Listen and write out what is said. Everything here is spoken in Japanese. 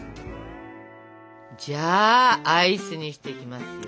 じゃあアイスにしていきますよ！